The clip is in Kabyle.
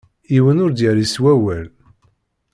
Yiwen ur d-yerri s wawal.